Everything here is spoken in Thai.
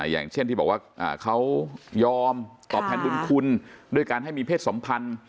อย่างเช่นที่บอกว่าเขายอมตอบแทนบุญคุณด้วยการให้มีเพศสัมพันธ์